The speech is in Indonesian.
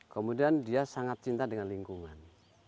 kemudian dia sangat cinta dengan lingkungan